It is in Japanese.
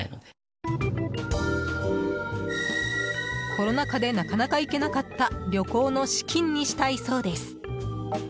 コロナ禍でなかなか行けなかった旅行の資金にしたいそうです。